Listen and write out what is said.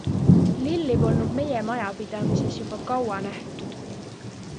Lilli polnud meie majapidamises juba kaua nähtud.